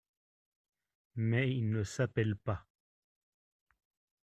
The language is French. Mais il ne s’appelle pas…